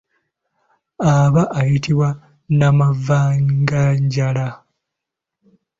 Aba ayitibwa nnamavaganjala.